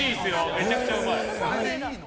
めちゃくちゃうまい。